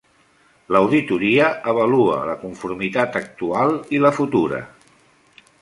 L'auditoria avalua la conformitat actual i la futura.